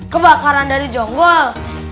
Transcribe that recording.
kebakaran dari jonggol